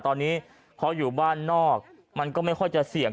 ตอนนี้พออยู่บ้านนอกมันก็ไม่ค่อยจะเสี่ยง